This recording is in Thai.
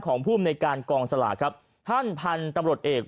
ของผู้มูลในการกองสลักท่านพันธุ์ตำรดเอก